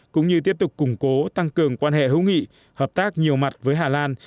cũng như tiếp tục củng cố tăng cường quan hệ hữu nghị hợp tác nhiều mặt với hà lan